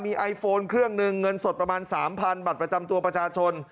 มีไอโฟนเครื่องหนึ่งเงินสดประมาณ๓๐๐บัตรประจำตัวประชาชน